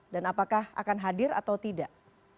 apakah akan hadir atau tidak